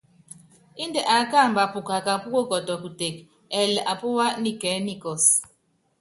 Índɛ aá kamba pukaká púkukɔtɔ kuteke, ɛɛli apúwá nikɛɛ́ nikɔs.